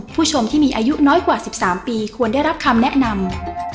ผู้ชมที่มีอายุน้อยกว่า๑๓ปีควรได้รับคำแนะนำ